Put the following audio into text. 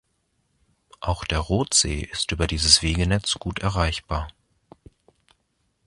Auch der Rothsee ist über dieses Wegenetz gut erreichbar.